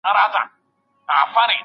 د خلګو ترمنځ باید انصاف وسي.